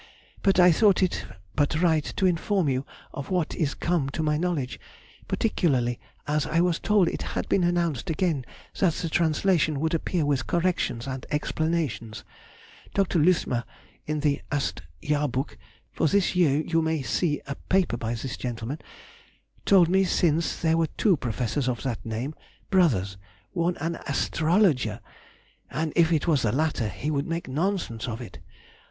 But I thought it but right to inform you of what is come to my knowledge, particularly as I was told it had been announced again that the translation would appear with corrections and explanations. Dr. Luthmer (in the "Ast. Jahrbuch" for this year you may see a paper by this gentleman) told me since there were two professors of that name (brothers), one an astrologer, and if it was the latter he would make nonsense of it.